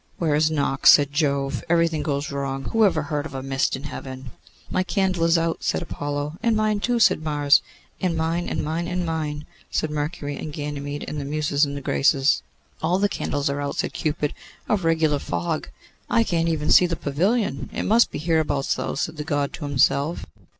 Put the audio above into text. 'Where is Nox?' said Jove. 'Everything goes wrong. Who ever heard of a mist in Heaven?' 'My candle is out,' said Apollo. 'And mine, too,' said Mars. 'And mine, and mine, and mine,' said Mercury and Ganymede, and the Muses and the Graces. 'All the candles are out!' said Cupid; 'a regular fog. I cannot even see the pavilion: it must be hereabouts, though,' said the God to himself.